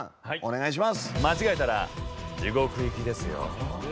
間違えたら地獄行きですよ。